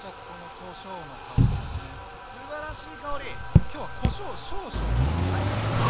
もう今日はこしょう少々とかじゃないからね。